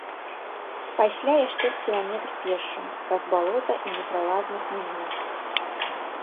Пасля яшчэ з кіламетр пешшу, праз балота і непралазны хмызняк.